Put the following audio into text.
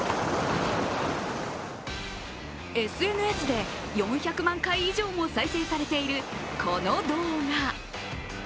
ＳＮＳで４００万回以上も再生されているこの動画。